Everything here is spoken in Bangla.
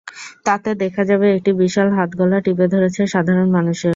তাতে দেখা যাবে একটি বিশাল হাত গলা টিপে ধরেছে সাধারণ মানুষের।